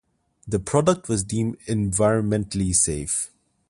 The product was deemed environmentally safe.